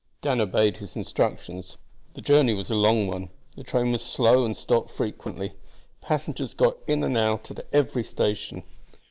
Dan obeyed his instructions. The journey was a long one. The train was slow and stopped frequently; passengers got in and out at every station.